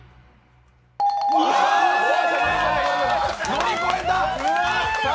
乗り越えた！